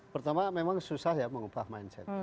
pertama memang susah ya mengupah mindset